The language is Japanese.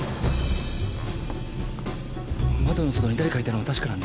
窓の外にだれかいたのは確かなんです。